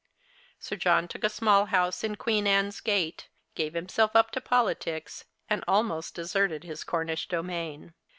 Sir John took a small house in Queen Anne's Gate, gave himself up to politics, and almost deserted his Cornish domain.